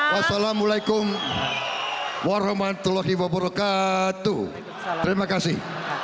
wassalamualaikum warahmatullahi wabarakatuh terima kasih